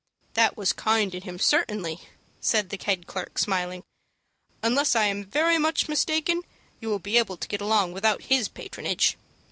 "That was kind in him, certainly," said the head clerk, smiling. "Unless I am very much mistaken, you will be able to get along without his patronage."